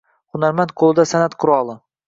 Hunarmand qo’lida san’at quroli.